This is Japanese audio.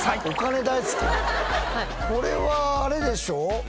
これはあれでしょ。